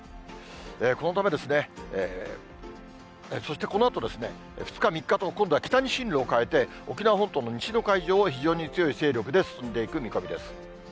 このため、そしてこのあと、２日、３日と、今度は北に進路を変えて、沖縄本島の西の海上を、非常に強い勢力で進んでいく見込みです。